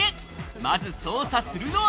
まず捜査するのは。